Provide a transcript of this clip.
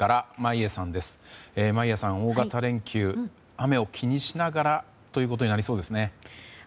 眞家さん、大型連休雨を気にしながらということになりそうですね。